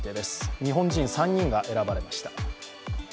日本人３人が選ばれました。